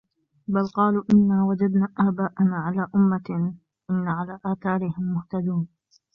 بَلْ قَالُوا إِنَّا وَجَدْنَا آبَاءَنَا عَلَى أُمَّةٍ وَإِنَّا عَلَى آثَارِهِمْ مُهْتَدُونَ